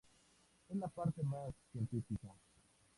Es la parte más científica.